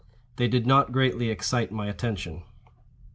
They did not greatly excite my attention.